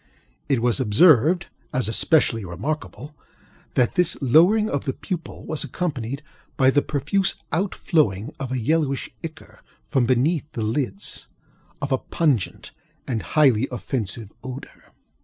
It was observed, as especially remarkable, that this lowering of the pupil was accompanied by the profuse out flowing of a yellowish ichor (from beneath the lids) of a pungent and highly offensive odor.